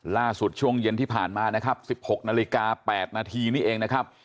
ช่วงเย็นที่ผ่านมานะครับ๑๖นาฬิกา๘นาทีนี่เองนะครับ